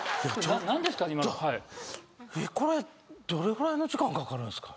今のえっこれどれぐらいの時間かかるんですか？